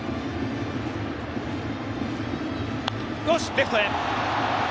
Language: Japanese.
レフトへ。